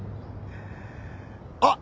あっ！